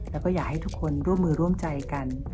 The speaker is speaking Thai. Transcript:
แล้วก็อยากให้ทุกคนร่วมมือร่วมใจกัน